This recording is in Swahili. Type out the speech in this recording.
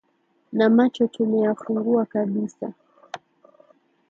Na macho tumeyafungua kabisa